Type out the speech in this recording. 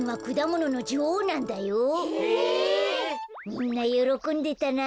みんなよろこんでたな。